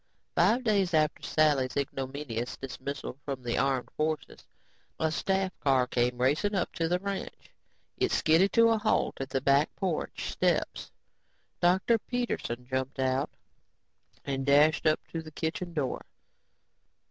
Five days after Sally's ignominious dismissal from the armed forces, a staff car came racing up to the ranch. It skidded to a halt at the back porch steps. Dr. Peterson jumped out and dashed up to the kitchen door.